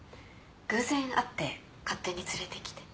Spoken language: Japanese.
偶然会って勝手に連れてきて。